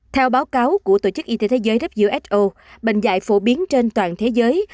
theo báo cáo của tổ chức y tế thế giới who bệnh dạy phổ biến trên toàn thế giới